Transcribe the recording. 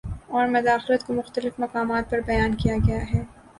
اور مداخلت کو مختلف مقامات پر بیان کیا گیا ہے